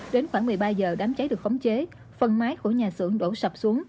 đến khoảng một mươi ba giờ đám cháy được khống chế phần mái của nhà xưởng đổ sập xuống